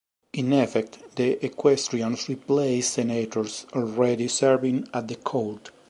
In effect, the equestrians replaced senators already serving at the court.